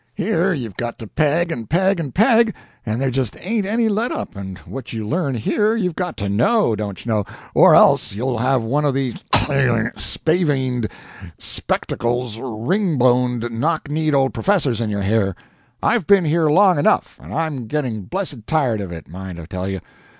Here you've got to peg and peg and peg and there just ain't any let up and what you learn here, you've got to KNOW, dontchuknow or else you'll have one of these spavined, spectacles, ring boned, knock kneed old professors in your hair. I've been here long ENOUGH, and I'm getting blessed tired of it, mind I TELL you.